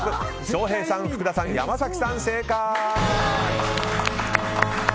翔平さん、福田さん山崎さん正解！